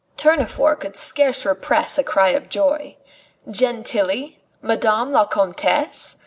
Tournefort could scarce repress a cry of joy. "Gentilly? Madame la Comtesse?